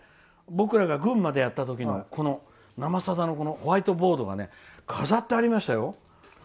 僕らが群馬でやったときの「生さだ」のホワイトボードが飾ってありましたよ！